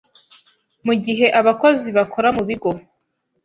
mu gihe abakozi bakora mu bigo